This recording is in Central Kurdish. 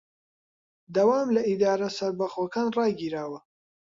دەوام لە ئیدارە سەربەخۆکان ڕاگیراوە